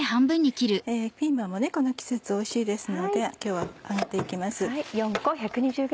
ピーマンもこの季節おいしいですので今日は揚げて行きます。